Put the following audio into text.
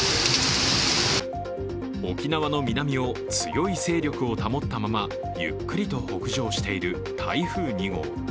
沖縄の南を強い勢力を保ったままゆっくりと北上している台風２号。